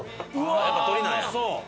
やっぱ鶏なんや。